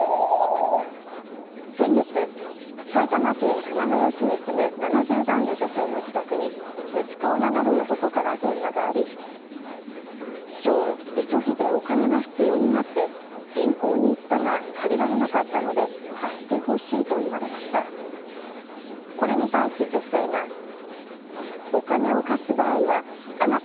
先月、埼玉県熊谷市に住む７０代の女性の自宅に息子を名乗る男から電話がありきょう急ぎでお金が必要になって銀行に行ったが借りられなかったので貸してほしいと言われました。